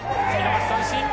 三振。